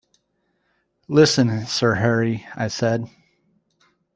“Listen, Sir Harry,” I said.